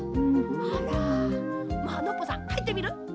あらまあノッポさんはいってみる？